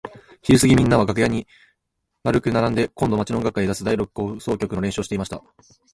ひるすぎみんなは楽屋に円くならんで今度の町の音楽会へ出す第六交響曲の練習をしていました。